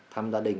thăm gia đình